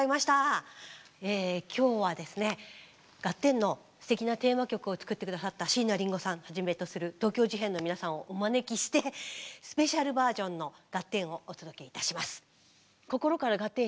今日はですね「ガッテン！」のすてきなテーマ曲を作って下さった椎名林檎さんはじめとする東京事変の皆さんをお招きしてスペシャルバージョンの「ガッテン！」をお届けいたします。